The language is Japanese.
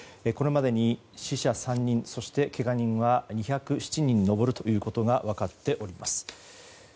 これまでに死者３人そして、けが人は２０７人に上ることが分かっております。